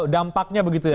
dampaknya begitu ya